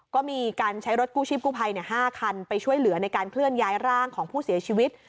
ก็มีการใช้รถกู้ชีพกู้ภัย๕คันไปช่วยเหลือในการเคลื่อนย้ายร่างของผู้เสียชีวิต